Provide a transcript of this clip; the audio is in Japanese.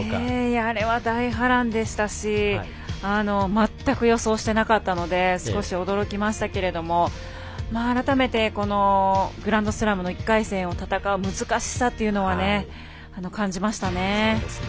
あれは大波乱でしたし全く予想してなかったので驚きましたけれども改めてグランドスラムの１回戦を戦う難しさというのは感じましたね。